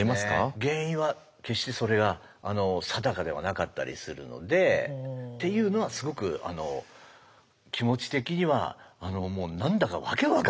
原因は決してそれが定かではなかったりするのでっていうのはすごく気持ち的には何だか訳分からなくなりましたね。